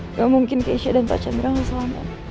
enggak mungkin keisha dan pak candra gak selamat